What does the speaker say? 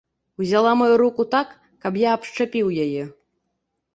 Узяла маю руку так, каб я абшчапіў яе.